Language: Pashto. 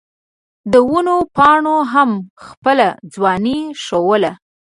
د ونو پاڼو هم خپله ځواني ښووله.